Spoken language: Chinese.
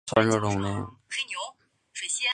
详情可参考职业训练局网站。